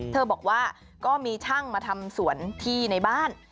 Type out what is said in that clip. บอกว่าก็มีช่างมาทำสวนที่ในบ้าน